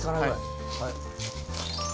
はい。